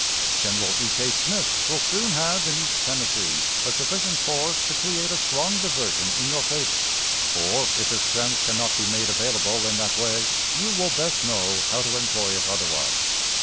General E. K. Smith will soon have in East Tennessee a sufficient force to create a strong diversion in your favor; or, if his strength can not be made available in that way, you will best know how to employ it otherwise.